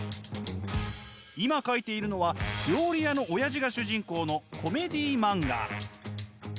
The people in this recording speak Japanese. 今描いているのは料理屋のオヤジが主人公のコメディー漫画。